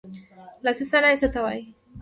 لاسي صنایع څه ته وايي.